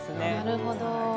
なるほど。